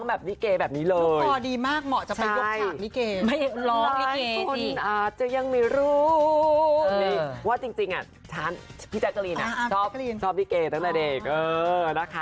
ใจกะลีนสอบดูตั้งแต่เด็ก